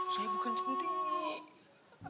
saya bukan cantik